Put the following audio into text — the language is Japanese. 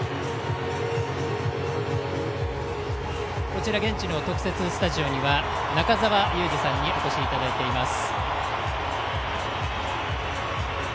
こちら、現地の特設スタジオには中澤佑二さんにお越しいただいております。